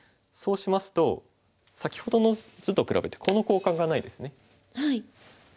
そうしますと先ほどの図と比べてこの交換がないですね。